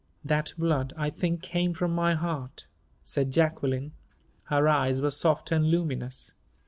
"That blood, I think, came from my heart," said Jacqueline; her eyes were soft and luminous.